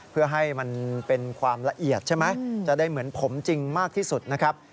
เพื่อให้มันเป็นความละเอียดใช่ไหมจะได้เหมือนผมจริงมากที่สุดนะครับ